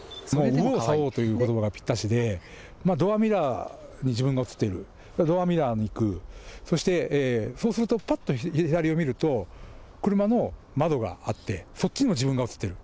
ドアミラーに自分が映っている、ドアミラーに行く、そして、そうするとぱっと左を見ると、車の窓があって、そっちにも自分が映っている。